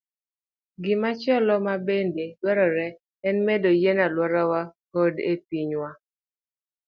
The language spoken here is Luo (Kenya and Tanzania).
Gimachielo mabende dwarore en medo yien e alworawa koda e pinywa.